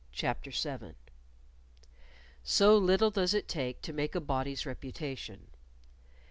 CHAPTER 7 So little does it take to make a body's reputation.